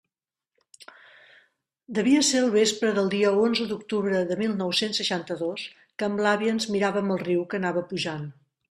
Devia ser el vespre del dia onze d'octubre de mil nou-cents seixanta-dos, que amb l'àvia ens miràvem el riu que anava pujant.